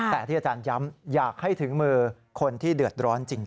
แต่ที่อาจารย้ำอยากให้ถึงมือคนที่เดือดร้อนจริง